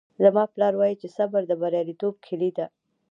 زما پلار وایي چې صبر د بریالیتوب کیلي ده